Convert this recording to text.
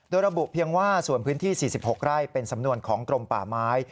โดยระบุเพียงว่าส่วนพื้นที่๔๖ไร่เป็นสำนวนของกรมป่าไม้